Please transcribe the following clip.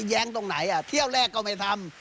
แย้งตรงไหนเที่ยวแรกก็ไม่ทำ